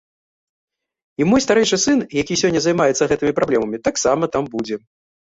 І мой старэйшы сын, які сёння займаецца гэтымі праблемамі, таксама там будзе.